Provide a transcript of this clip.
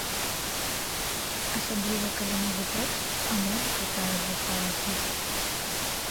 Асабліва, калі новы тэкст, а музыка тая ж засталася.